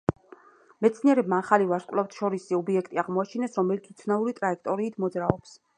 მეცნიერებმა ახალი ვარსკვლავთშორისი ობიექტი აღმოაჩინეს, რომელიც უცნაური ტრაექტორიით მოძრაობს.